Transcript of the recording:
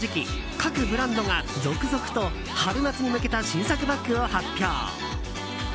各ブランドが続々と春夏に向けた新作バッグを発表。